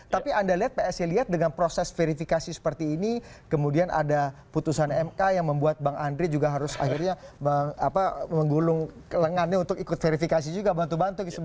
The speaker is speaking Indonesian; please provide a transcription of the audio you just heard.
tapi anda lihat psi lihat dengan proses verifikasi seperti ini kemudian ada putusan mk yang membuat bang andre juga harus akhirnya menggulung lengannya untuk ikut verifikasi juga bantu bantu